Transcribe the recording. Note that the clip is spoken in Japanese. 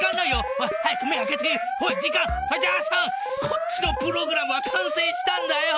こっちのプログラムは完成したんだよ！